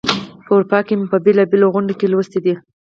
په اروپا کې مي په بېلو بېلو غونډو کې لوستې دي.